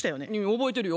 覚えてるよ。